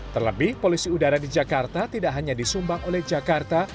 terlebih polusi udara di jakarta tidak hanya disumbang oleh jakarta